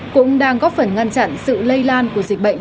cũng đang góp phần ngăn chặn sự lây lan của dịch bệnh